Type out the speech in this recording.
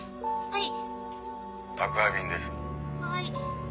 はい。